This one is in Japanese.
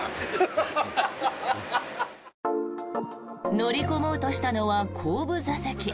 乗り込もうとしたのは後部座席。